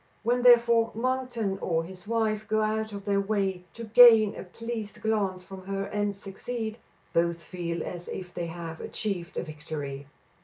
When, therefore, Monkton or his wife go out of their way to gain a pleased glance from her and succeed, both feel as if they had achieved a victory.